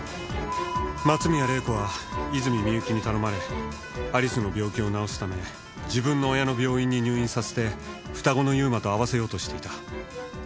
松宮玲子は泉美由紀に頼まれアリスの病気を治すため自分の親の病院に入院させて双子の優馬と会わせようとしていた。